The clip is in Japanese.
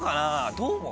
どう思う？